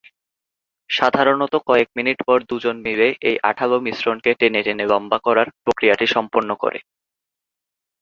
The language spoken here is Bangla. সাধারণত কয়েক মিনিট পর দুজন মিলে এই আঠালো মিশ্রণকে টেনে টেনে লম্বা করার প্রক্রিয়াটি সম্পন্ন করে।